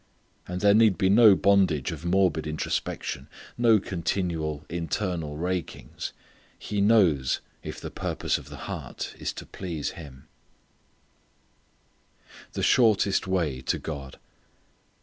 And there need be no bondage of morbid introspection, no continual internal rakings. He knows if the purpose of the heart is to please Him. The Shortest Way to God.